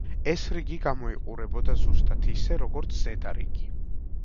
ეს რიგი გამოიყურებოდა ზუსტად ისე, როგორც ზედა რიგი.